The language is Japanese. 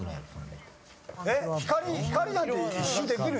光なんて１周できる？